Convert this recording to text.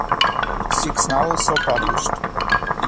Six novels were published.